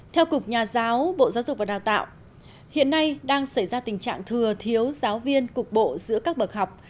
theo cục nhà giáo bộ giáo dục và đào tạo hiện nay đang xảy ra tình trạng thừa thiếu giáo viên cục bộ giữa các bậc học